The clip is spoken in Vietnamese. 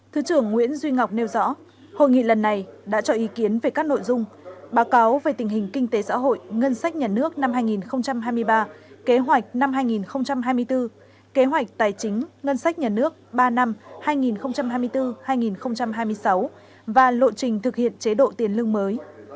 thứ trưởng nguyễn duy ngọc nêu rõ hội nghị lần này đã cho ý kiến về các nội dung báo cáo về tình hình kinh tế xã hội ngân sách nhà nước năm hai nghìn hai mươi ba kế hoạch năm hai nghìn hai mươi bốn kế hoạch tài chính ngân sách nhà nước ba năm hai nghìn hai mươi bốn hai nghìn hai mươi sáu và lộ trình thực hiện chế độ tiền lương mới